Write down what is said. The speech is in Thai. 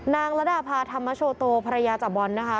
นางระดาภาธรรมชโตภรรยาจบรรย์นะคะ